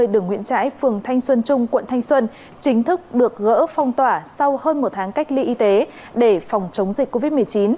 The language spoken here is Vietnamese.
ba trăm ba mươi đường nguyễn trãi phường thanh xuân trung quận thanh xuân chính thức được gỡ phong tỏa sau hơn một tháng cách ly y tế để phòng chống dịch covid một mươi chín